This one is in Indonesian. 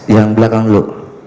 yang belakang dulu